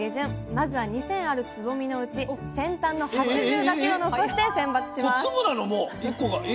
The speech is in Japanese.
まずは２，０００あるつぼみのうち先端の８０だけを残して選抜しますえ！？